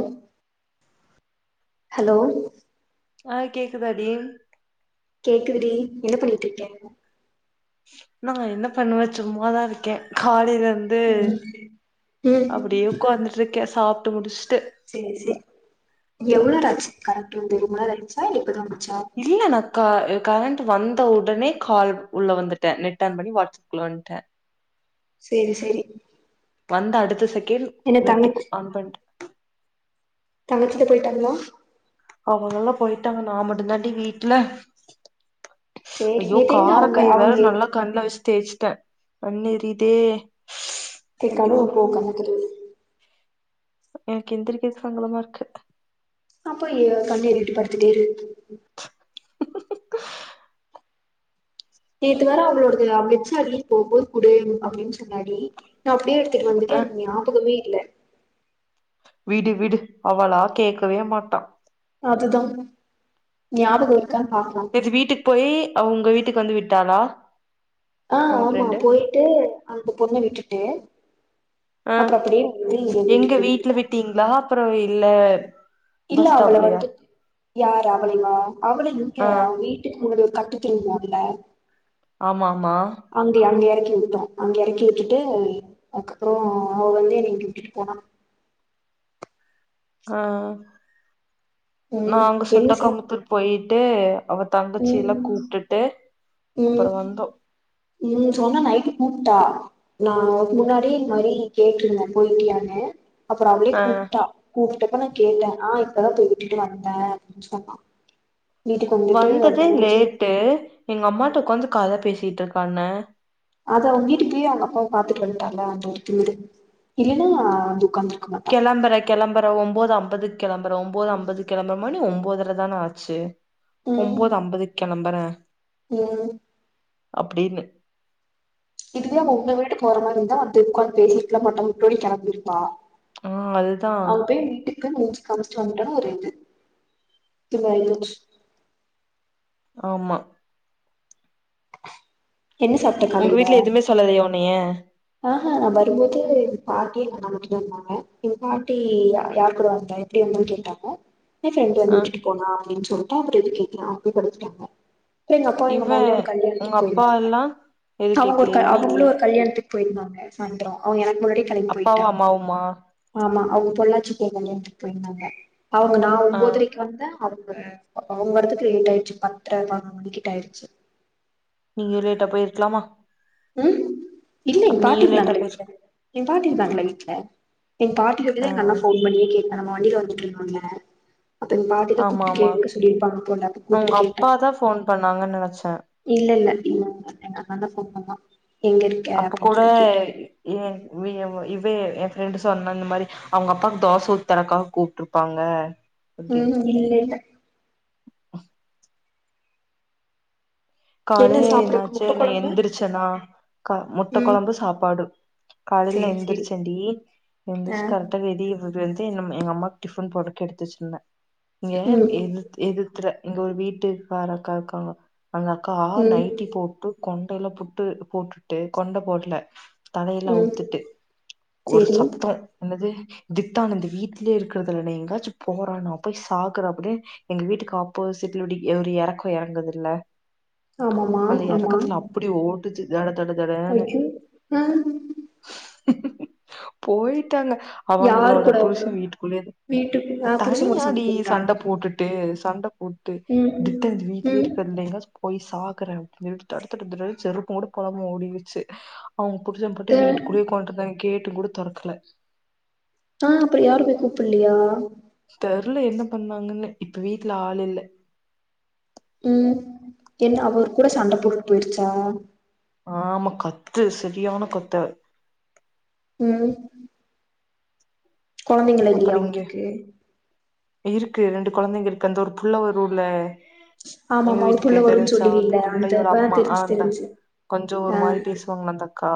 ஓ hello ஆ கேக்குதாடி கேக்குதுடி என்ன பண்ணிகிட்ருக்க நா என்ன பண்ணுவே சும்மாதா இருக்கே காலையில இருந்து ம் ந்து ம் அப்டியே உக்காந்துட்ருக்கே சாப்ட்டு முடுச்ட்டு சேரி சேர் எவ்ளோராச்சு கரண்ட் ரோ தெரியுமா லைட்சா இல்ல இப்பதா வந்துச்சா இல்ல நா க கரண்ட்டு வந்த உடனே கால் உள்ள வந்துட்டே நெட் ஆன் பண்ணி வாட்ஸ்ஷப் குள்ள வண்டே சேரி சேரி வந்த அடுத்த செகண்ட் என்ன தங்கச் நெட்டுக்கு ஆன் பண்ட் தங்கச்சிட்ட பொயிட்டாங்ளா அவுங்கலெல்லா பொயிட்டாங்க நா மட்டுந்தாண்டி வீட்ல சேரி ஐயோ நேத்து எங்க கார அவங்க கை வேற அவங்க நல்லா கண்லா வச்சு தேச்சுட்டே கண்ணு எறியுதே கேக் கனவு போ கண்ணத்துல இருந் எனக்கு எந்திரிக்கிறதுக்கு சங்கடமா இருக்கு அப்போ எ கண்ணு எரியுது இப்டி படுத்துட்டே இரு [inaudible] நேத்து வேற அவளோடது அ மிச்சர் அல்லி போம்போது குடு அப்டின்னு சொன்னாடி நா அப்டியே எடுத்துட்டு வந்துட்டே ஆ எனக்கு ஞாபகமே இல்ல விடு விடு அவளா கேக்கவே மாட்டா அதுதா ஞாபகோ இருக்கான் பாக்லாம் இது வீட்டுக்கு போயி அவுங்க வீட்டுக்கு வந்து விட்டாளா ஆ உங்க ஆமா ஃப்ரெண்டு போயிட்டு அந்த பொண்ண விட்டுட்டு அப்பற அப்டியே வந்து இங்க வீட்டுட்ட விட்டுட்டு போ ட்டீங்ளா அப்றோ இல்ல இல்ல பஸ் அவள ஸ்டாப்லயா வந்துட்டு யாரு அவளையுமா அவளு ஆ இருக்க அவ்ங்வீட் ட்டுக்கு முன்னாடி ஒரு கட்டு தொங்கு அதுல ஆமாம்மா அங்க அங்க எறக்கி விட்டுடோ அங்க எறக்கிவுட்டுட்டு அதுக்கப்ற அவ வந்து என்ன இங்க விட்டுட்டு போனா ஆ நா ம் அங்க என்ன சுண்டக்கா சார் முத்தூருக் போயிட்டு அவ தங்கச்சிலா ம் கூப்டுட்டு ம் ம் சொன்னா நைட்டு கூப்ட்டா நா முன்னாடியே இந்த மாரி கேட்ருந்தே போயிட்டியானு அப்பற அவளே ஆ கூப்ட்டா கூப்ட்டப்ப நா கேட்டே ஆ இப்பதா போய் விட்டுட்டு வந்தே அப்டின் சொன்னா வீட்டுக்கு வந்துட்டு அவ வந்ததே தங்கச்சி லேட்டு எங்க அம்மாட்ட ஒக்காந்து கத பேசிட்ருக்காங்க அது அவுங்க வீட்டுக் கீழ அவ்ங்க அப்பாவ பாத்துட்டு வந்ட்டால அந்த ஒரு திமிரு இல்லனா அப்டி உக்காந்துருக்குமா கெளம்பறே கெளம்பறே ஒம்போது அம்பதுக் கெளம்பறே ஒம்போது அம்பதுக் கெளம்பறே மணி ஒம்போதறதான ஆச்சு ம் ஒம்போது அம்பதுக் கெளம்புறே ம் அப்டின்னு இதுவே அவ உங்க வீட்டுக்கு வர மாரி இருந்தா அப்டி உக்காந்து பேசிருக்கலா மாட்டா முன்னாடியே கெளம்பிருப்பா ஆ அதுதா அவ போய் வீட்டுக் கு முஞ்சு காமிச்ட்டு வந்டானு ஒரு இது திமிராய்ட்டு ஆமா என்ன சாப்ட்ட உங்க காலைல வீட்ல எதுமே சொல்லலையா உன்னைய ஆ ஹா நா வரும்போது எங்க பாட்டி என்ன கூட்டிட்டு வந்தாங்க எங்க பாட்டி யா யாரு கூட வந்தா என் அப்டி ஒன்னு கேட்டாங்க எ ஃப்ரெண்டு் வந்து ஆ விட்டுட்டு போனா அப்டின் சொல்ட்டு அப்றோ எதுக் கேக்றா அப்டி படுத்துட்டாங்க அப்ற எங்க அப்பாவு இவ அம்மாவுந்தா ஒரு உங்க கல்யாணத்துக்கு அப்பா போயிருந்தா எல்லா எது அவ்ங்க ஒரு கேக்கலையா க வீட்ல அவுங்களு ஒரு கல்யாணத்துக்கு போயிருந்தாங்க சாய்ந்தர அவ்ங்க எனக்கு முன்னாடியே கெளம்பி அப்பாவு போய்ட்டாங்க அம்மாவுமா ஆமா அவுங்க பொள்ளாச்சி போ கல்யாணத்து போயிருந்தாங்க அவுங்க நா ஆ ஒம்போதரைக்கு வந்தே அப்ற அவ்ங்க வரத்துக்கு லேட் ஆயிருச்சு பத்ர பதினொரு மணிக்கிட்ட ஆயிருச்சு நீங்க லேட்டா போயிருக்லாமா ம் இல்ல எங் பாட்டி லேட்டா இருந்தாங்ளே போயிரு வீட்ல எங் பாட்டி இருந்தாங்கள வீட்ல எங் பாட்டி ஆ சொல்லிதா எங்க அண்ண ஃபோன் பண்ணியே கேட்டா நா வண்டில வந்துட்ருக்கோன்னே அப்ப எங்க பாட்டிதா ஆமா கூப்ட்டு ஆமா கேக்க சொல்லிருப்பாங்க போல அப்ப நான் கூப்ட்டு உங்க கேட்டா அப்பா தா ஃபோன் பண்ணாங்கன் நெனச்சே இல்ல இல்ல இல்ல எங்க அண்ண அதனால்தா கூப்ட்ருக்கா எங்க இருக் அப்ப கூட எ வி எவ இவே எ ஃப்ரெண்டு சொன்னா இந்த மாரி அவுங்க அப்பாக்கு தோச ஊத்தறக்காக கூப்ட்ருப்பாங்க ம் இல்ல இல்ல ஆ என்ன காலையே சாப்பிடறக்கு என்னாச்சு முட்ட நா கொழம்பு எந்திரிச்சனா கா முட்ட ம் கொழம்பு சாப்பாடு காலைல சேரி சேரி எந்திரிச்சேண்டி ஆ எந்திரிச்சு கரெக்டா வெளிய ஒரு து எங் எங்க அம்மாக்கு டிஃபன் போடக்கு எடுத்து வச்சிருந்தே இங்க ம் எது எதுத்ற இங்க ஒரு வீட்டுக்கார அக்கா இருக்காங்க அந்தக்கா ம் நைட்டி போட்டு கொண்டைலா புட்டு போட்டுட்டு கொண்ட போட்ல தலையெல்லா ம் ஊத்துட்டு ஒரு சேரி சத்தோ என்னது தித்தான்னந்த வீட்லயே இருக்கறதுல எங்கயாச்சு போற நா போய் சாகற அப்படின்னு எங்க வீட்டுக்கு அப்போசிட்லடி ஒரு எறக்கம் எறங்குதுல்ல ஆமாமா அந்த ஆமா எறக்கத்துல அப்டி ஓட்டுத்து தட தட தடன்னனு ஐயோ ஆ போயிட்டாங்க யாரு அவங்களோட கூட அவங்க புருஷன் வீட்டுக்குள்ளயேது வீட்டுக்கு ஆ புருஷன் கூட தனியாடி போட்டுட்டா சண்ட போட்டுட்டு சண்ட போட்டு ம் [unintelligible] ம் இப்ப எங்கயாச்சு போய் சாக்குற அப்டி தட தட தடன்னு செருப்போட போடம ஓடிருச்சு அவங்க ஆ புருசபட்டு வீட்டு கூடயே ஒக்காண்ட்ருந்தாங்க கேட்டு கூட தொறக்கல ஆ அப்படி யாரு போய் கூப்பல்லயா தெருல என்ன பண்ணுவாங்கன்னு இப்ப வீட்ல ஆள் இல்ல ம் என் அவரு கூட சண்ட போட்டுட்டு போயிருச்சா ஆமா கத்து சரியான கத்து ம் கொழந்தைங்க அப்புற இல்லையா இங்க உங்களுக்கு இருக்கு ரெண்டு கொழந்தைங்க இருக்கு அந்த ஒரு புள்ள ஒரு ஊர்ல எங்க ஆமாமா ஒரு வீட்டுக்கு புள்ள வரும்ன்னு தெரிஞ்ச்சா வந்து சொல்லுவீல்ல அந்த புள்ளையோட ஆ அம்மா தெரிஞ்சு ஆஹ் அந்தா தெரிஞ்சு கொஞ்ச ஒரு ஆ மாரி ஆ பேசுவாங்கள்ள அந்த அக்கா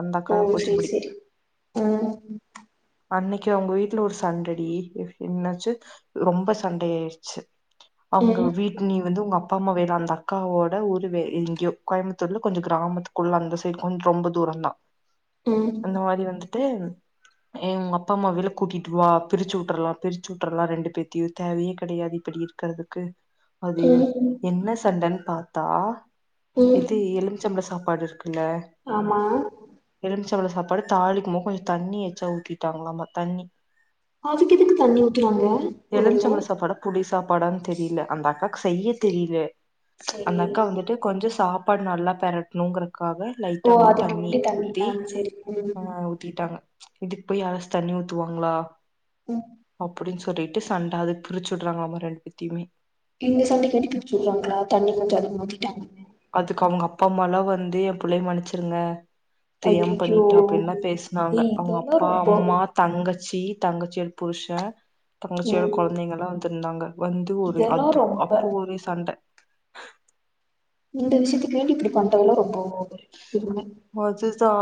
அந்த ஓ அக்காதா போச்சு சரி புடி சரி ம் அன்னைக்கு அவங்க வீட் வீட்ல ஒரு சண்டடி என்னாச்சு ரொம்ப சண்ட ஆயிடுச்சு அவங்க ம் வீட்டு நீ வந்து உங்கப்பம்மா வேல அந்த அக்காவோட ஊர் வே எங்கேயோ கோயம்பத்தூர்ல கொஞ்ச கிராமத்து குள்ள அந்த சைட் கொஞ் ரொம்ப தூரந்தா ப்ளாக் அந்த மாரி வந்துட்டு உங்கப்பம்மா விழுப் கூட்டிட்டு வா பிரிச்சு விட்டுரலா பிரிச்சு விட்டுறலா ரெண்டு பேத்தையு தேவையே கெடையாது இப்டி இருக்கிறதுக்கு அது ம் என்ன சண்டன்னு பாத்தா ம் இது எலுமிச்சம்பழ சாப்பாடு இருக்கு இல்ல ஆமா எலும்பமிச்சம்பளம் சாப்பாடு தாலிக்கு போக கொஞ்ச தண்ணி எச்சா ஊத்திட்டாங்களாமா தண்ணி அதுக்கு எதுக்கு தண்ணி ஊத்துனாங்க முதல்ல எலும்பச்சபளம் சாப்பாடா புளி சாப்பாடான்னு தெரியல அந்த அக்கா செய்ய தெரியல சரி அந்த வந்துட்டு கொஞ்ச சாப்பாடு நல்லா பெரட்டணும்ங்கறக்காக லைட்டா ஓ வந்து அதுக்கு தண்ணி வேண்டி ஊத்தி ஆ செரி ஆ ம் ஊத்திட்டாங்க இதுக்கு போய் யாராச்சு தண்ணி ஊத்துவாங்களா ம் அப்படின்னு சொல்லிட் டு சண்ட அதுக் பிரிச்சு விடுறாங்கலாமா ரெண்டு பேத்துமே இந்த சண்ட கேட்டு பிரிச்சு உட்ருவாங்ல தண்ணி கொஞ்ச அதிகமா ஊத்திட்டாங்கன்னு அதுக்கு அவங்கப்பா அம்மாலா வந்து ஏ புள்ளைய மன்னிச்சிருங்க தெரியாம அய்யய்யோ பண்ணிட்டா அப்படின்னா பேசினாங்க ஏய் இதெல்லா அவங்கப்பா ரொம்ப அம்மா தங்கச்சி தங்கச்சியோ புருஷ தங்கச்சியோட ம் கொழந்தைங்கல்லா வந்துருந்தாங்க வந்து ஒரு இதெல்லா அதுப் ரொம்ப அப்போ ஒரு சண்ட இந்த விஷயத்துக்கு வேண்டி இப்படி பண்றதுல்லா ரொம்ப ஓவரு பெரும அது தா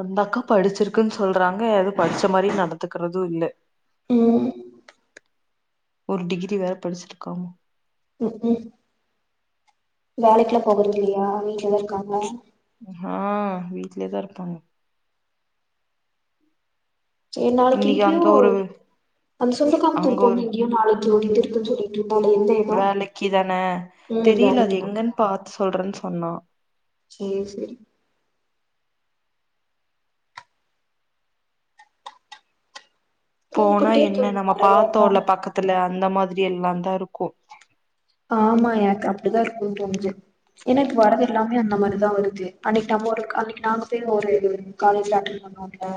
அந்தக்கா படிச்சிருக்குன்னு சொல்றாங்க அது படிச்ச மாரி நடத்துக்கறது இல்ல ம் ஒரு டிகிரி வேற படிச்சிருக்காம உ உ வேலைக்லா போகற்து இல்லையா வீட்லதா இர்க்காங்க ஹா வீட்லேதா இருப்பாங்க சேர் நாளிக்கி இன்னைக்கு க்யு அங்க ஒரு அந்த சொந்தக்கார்த்து அங்க பொண்ணு ஒரு எங்க்யோ நாளைக்கு ஓட்டிட்டுருக்குன் சொல்லி ரிப்போட் என்னெ வேலக்கி தான தெரில அது வேலைக்குதா எங்கன் பாத்து சொல்றன் சொன்னா சே சரி போனா கூப்பிட்டே என்ன இருக்காங்க நம்ம நெறைய அக்கா பாத்தோல்ல பக்கத்துல அந்த மாதிரி எல்லான்தா இருக்கு ஆமா எனக் கப்டிதா இருக்குன் தோணுஜு ஏனா இப் வரது எல்லாமே அந்த மாரிதா வருது அன்னைக் டம் ஒரு கால் இன்னிக் நாங்க பே ஒரு [unintelligible] காலேஜ்ல அட்டென் பண்ணுவோம்ல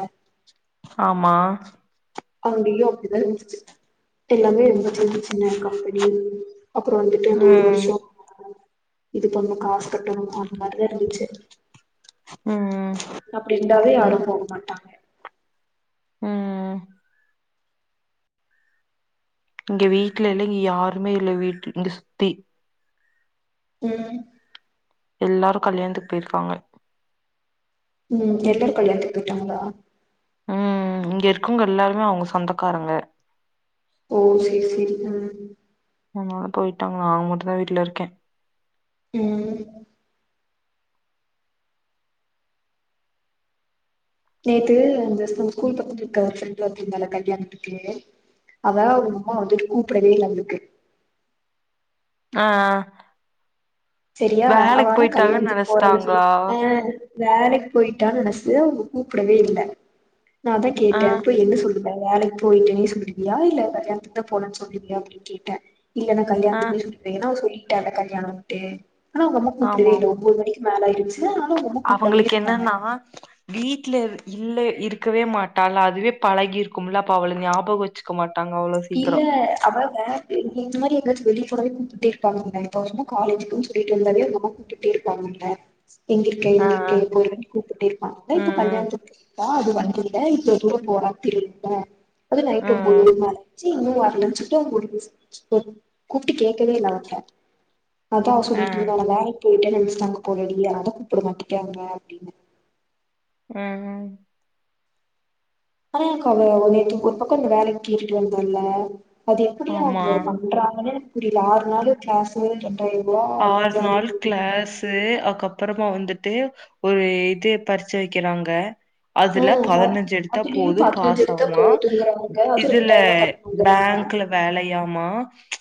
ஆமா அங்கயு அப்டிதா இன்ஜுச்சு எல்லாமே ரொம்ப சின்ன சின்ன கம்பெனி அப்றோ வந்துட்டு அந்த ஒரு ம் வர்ஷொம் இது பண்ணு காஸ் கட்டணு அந்த் மாரிதா இருந்துச்சே ம்ம் அப்டி இருந்தாவே யாரு போக மாட்டாங்க ம் இங்க வீட்லல்ல இ யாருமே இல்ல வீட்டு இங்க சுத்தி ம் எல்லாரு கல்யாண்த்துக் போய்ர்க்காங்க ம் எல்லாரு கல்யாண்த்துக் போய்ட்டாங்களா ம் இங்க இருக்கவங்க எல்லாருமே அவங்க சொந்தக்காரங்க ஓ செரி செரி ம் அமா போய்ட்டாங்க நா மட்டுதா வீட்ல இருக்கே ம் நேத்து அந்த ஸ்பு கூல் பக்கத்ட்ருக்க சென்ட்லாக்கி மேல கைய நுனுக்கே அவ உம்மா வந்து கூப்டவே இல்ல அவ்ளுக்கு அஆ சரியா அவானா போயிட்டாங்கன்னு கல்யாண்ஜுக் போறன்னு சொல் நெனச்சிட்டாங்களா ஆ வேலைக்கு போயிட்டான்னு நஸ்ஸுவ் கூப்டவே இல்ல நாதா ஆ கேட்டே இப்ப என்ன சொல் இல்ல வேலைக் போயிட்டேனு சொல்லுவியா இல்ல கல்யாண்த்துக்தா போனன் சொல்லுவியா அப்டின் கேட்ட இல்லன்னா ஆ கல்யாண்த்துக்கு பெ எனா சொல்லிட்ட கல்யாணோன்ட்டே னா அவங்க அம்மா கூப்புடவே இல்ல ஒம்போது மணி மேல ஆய்ர்ச் அவங்களுக் என்னன்னா வீட்லர் இல்ல இருக்கவே மாட்டாலா அதுவே பழகி இருக்கும்ல அப்ப அவள ஞாபகோ வச்சுக்க மாட்டாங்க அவ்ளஸ் இல்ல அவ வேர் இ இந்த மாரி எங்காச் வெளிய போராவே கூப்டுட்டே இருப்பாங்க அவங்க இப்போ வந்து காலேஜுக்குன் சொல்லிட்டு வந்தாளே அவங்க அம்மா கூப்ட்டு ட்டே இருப்பாங்க உன்ன எங்கிர்க்க ஆ ஆ எங்கிர்க்க எப்போ வருவன் கூப்புட்டே இருப்பாங்க இப்போ ம் கல்யாண்த்துக்கு வா அது வந்துர்தே இப்ப தூரம் போறா தெரியு ல அது ம் நைட் ஒம்போது ம் [inaudible] மேல ச்சி இன்னும் வரலன் சொல்லிட்டு அவங்க ஒரிபிஸ் [inaudible] கூப்ட்டு கேக்கவே இல்ல அவற்ட்ட அதான் அவ ஆ சொல்லிட்டு இருந்தால நா வேலைக்கி போயிட்டேனு நினைச்சிட்டாங்க போலடி அதான் கூப்ட மாட்டேக்கிறாங்க அப்டின்னு ம் ம் ஆனா எனக்கு அவ நேத்து ஒரு பக்கோ இந்த வேலக்கி கேட்டுட்டு வந்தோல்ல அது எப்டியு ஆமா அவங்க பண்றாங்கனு எனக்கு புரில ஆறு நாளு கிளாஸ்சு ரெண்டாயருவா ஆறு நாள் க்ளஸ் து அதுக்கப்பறமா வந்துட்டு ஒரு இது பரீச்ச வைக்கிறாங்க ஆ அதுல ப பதுனஞ்சு எடுத்தா அதுலயும் போது பதினஞ்சு எடுத்தா பாசாமா போதுங்கறாங்க அதுவும் இதுல ரெண்டாயிரம் ரூபா கட்டணுங்கறாங்க பேங்க்ல வேலையாமா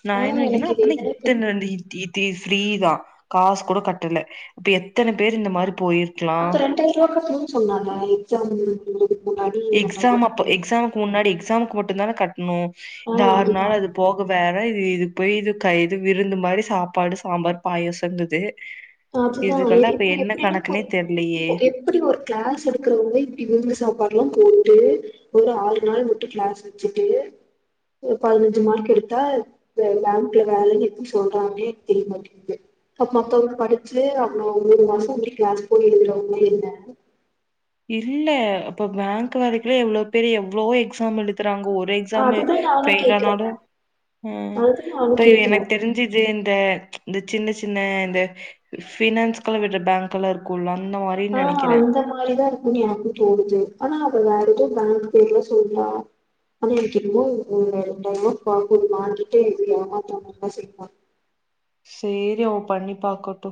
நான் ஆ என்ன நெனக்கினா எனக்கு இது அப்பனா என்னன்னே புரியல இத்தனந்திய் டிட்டி ஃப்ரீதா காஸ் கூட கட்டல அப்ப எத்தன பேர் இந்த மாரி போயிர் அப்ப ரெண்டாயிரூபா கட்னுன் சொன்னால்ல எக்ஸாம் எழுதுறதுக்கு முன்னாடி ரெண்டாயிரம் எக்ஸாம் ரூபா அப்ப கட்டணும் எக்ஸாமுக்கு முன்னாடி எக்ஸாமுக்கு மட்டு தான கட்டணு இந்த ஆ ஆறு நாள் அதுதான் அது போக வேற இது இது போய் இது க இது விருந்து மாரி சாப்பாடு சாம்பார் பாயசங்குது அதுதா இப்ப எப்டினு போது தெர்லையே. போ இப்டி ஒரு க்ளஸ் எடுக்கிறவங்க இப்டி விருந்து சாப்பாடுலா போட்டு ஒரு ஆறு நாள் மட்டு க்ளஸ் வெச்சுட்டு ஒரு பதினஞ்சு மார்க் எடுத்தா பேங்க்ல வேலைன் எப்டி சொல்றாங்கனே தெரியமாட்டிங்குது ஆ மத்தவங்க படு அதுவே அப்றோ மூணு மாசம் எப்டி க்ளாஸ் போயி எழுதுறவங்க என்ன இல்ல இப்ப பேங்க் வரைக்குலா எவ்ளோ பேர் எவ்வளோ எக்ஸாம் எழுதுறாங்க ஒரே எக்ஸாம்ல அதுதா நானு ஃபெயில் கேக்குறே ஆனாலு ம் அதுதா நானு இப்ப கேக்குறே எனக்கு தெரிஞ்சு இது இந்த இந்த சின்ன சின்ன இந்த பினன்ஸ்குளா விடுற பேங்க் குள்ள இருக்குல்ல அந்த மாறி ஓ அந்த மாரிதா இருக்குன் எனக்கு போடுது ஆனா அவ வேற ஏதோ பேங்க் பேர்ல சொல்றா ஆனா எனக்கு என்னமோ ஒரு ரெண்டாயிரமா வாங்கிட்டு நம்மள ஏமாத்தாம இருந்தா சரி தா சேரி அவ பண்ணி பாக்கட்டு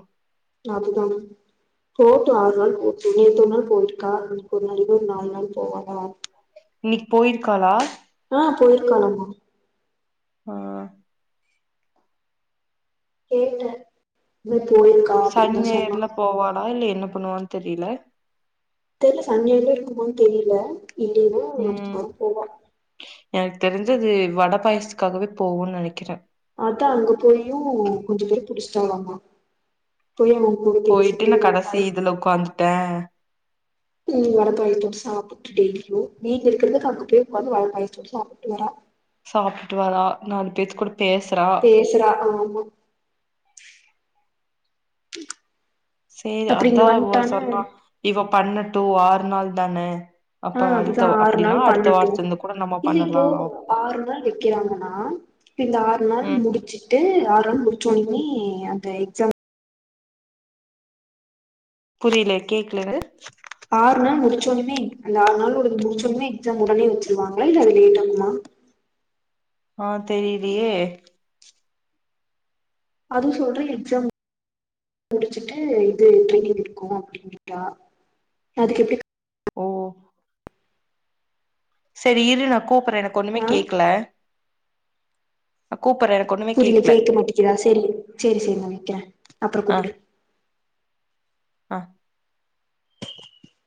அதுதா போட்டு ஆறு நாள் போட்டு நேத்து ஒரு நாள் போயிருக்கா மறுபடியு ஒரு நாலு நாள் போவாளா இன்னிக் போய்ருக்காளா ஆ போய்ருக்காளாமா ஆ கேட்ட‌ இன்னு போ [unintelligible] சனி ஞாயிறுல போவாலா இல்ல என்ன பண்ணுவான் தெரில தெர் சன்டேல்லா இருக்குமோனு தெரில இல்லைன்னா ம். மா போவா எனக்கு தெரிஞ்சு அது வட பாயசத்துக்காகவே போவுன் நெனைக்கிற அதா அங்க போயு கொஞ்சோ பேர் புடிச்சுட்டாளாமா போய் அவங்க கூட போயிட்டு பேசிட்டு நான் வட கடைசி பாயா இதுல உட்காந்துட்டேன் ம் வட பாயசத்தோடு சாப்பு டெலியு வீட்ல இருக்கிறதுக்கு அங்க போய் உ வந்து வட பாயாசத்தோடு சாப்புட்டு வரா சாப்டுட்டு வாரா நாலு பேத்து கூட பேசுறா பேசுறா ஆமா சேரி அப்டி இங்க அதா அவ வந்ட்டானா சொன்னா இவ பண்ணட்டு ஆறு நாள் தான அப்ப ஆ அதுதா அடுத்த ஆறு அப்டின்னா நாள் அடுத்த பண்ணட்டு வாரத்துல இருந்து கூட நம்ம இல்ல இப்போ பண்ணலா ஆறு நாள் வைக்கிறாங்கன்னா இந்த ஆறு நாள் ம் முடிச்சு டு ஆறு நாள்‌ முடிச்சோனேமே அந்த எக்ஸம் புரில கேக்ல எது ஆறு நாள் முடிச்சோடனுமே அந்த ஆறு நாள் ஒரு முடிச்சடனுமே எக்ஸாம் உடனே வச்சிருவாங்களா இல்ல அது லேட் ஆகுமா ஆ தெரிலியே அதுவு சொல்ற எக்ஸம் முடிச்சிட்டு இது ட்ரெய்னிங் இருக்கு அப்டின்னுட்டா அதுக்கு எப்டி ஓ செரி இரு நா கூப்பற எனக்கு ஒண்ணுமே ஆ கேக்ல நா கூப்பற எனக்கு ஒண்ணுமே புரில கேக்கல கேக்க மாட்டிக்குதா செரி செரி செரி நா வெக்கற அப்பறோ கூப்டு அ